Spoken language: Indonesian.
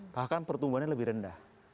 bahkan pertumbuhannya lebih rendah